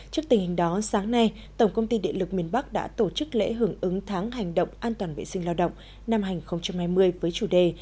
trước tình hình đó sáng nay tổng công ty điện lực miền bắc đã tổ chức lễ hưởng ứng tháng hành động an toàn vệ sinh lao động năm hai nghìn hai mươi với chủ đề